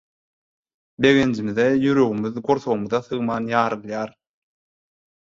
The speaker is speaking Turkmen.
begenjimize ýüregimiz gursagymyza sygman ýarylar.